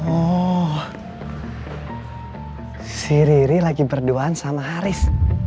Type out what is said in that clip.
oh si riri lagi berduaan sama haris